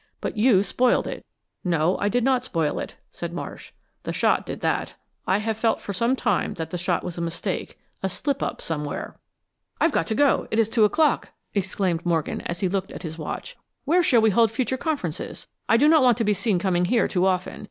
But you spoiled it!" "No, I did not spoil it," said Marsh. "The shot did that. I have felt for some time that that shot was a mistake a slipup somewhere." "I've got to go; it is two o'clock," exclaimed Morgan as he looked at his watch. "Where shall we hold future conferences! I do not want to be seen coming here too often.